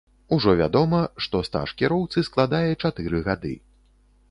Ужо вядома, што стаж кіроўцы складае чатыры гады.